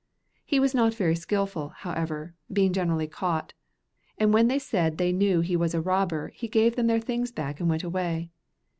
He was not very skillful, however, being generally caught, and when they said they knew he was a robber he gave them their things back and went away.